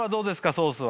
ソースは。